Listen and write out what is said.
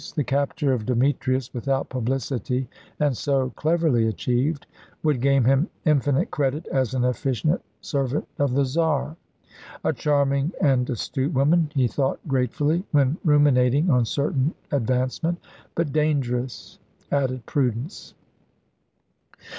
The capture of Demetrius, without publicity, and so cleverly achieved, would gain him infinite credit as an efficient servant of the Czar. "A charming and astute woman," he thought gratefully, when ruminating on certain advancement. "But dangerous," added Prudence.